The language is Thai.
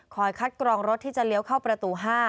คัดกรองรถที่จะเลี้ยวเข้าประตู๕